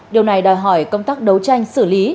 điều này đòi hỏi công tác đấu tranh xử lý